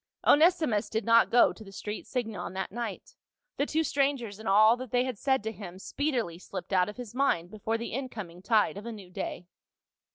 Onesimus did not go to the street Singon that night ; the two strangers and all that they had said to him speedily slipped out of his mind before the in coming tide of a new day.